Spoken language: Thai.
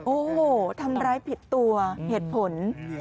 โอ้โหทำร้ายผิดตัวเหตุผล